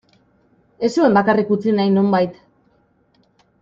Ez zuen bakarrik utzi nahi, nonbait.